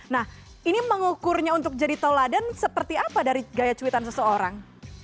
nah ini mengukurnya untuk jadi toladan seperti apa dari gaya cuitan seseorang